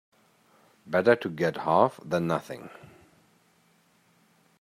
Better to get half than nothing.